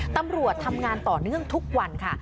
ตำรวจทำงานต่อเนื่องทุกวันค่ะ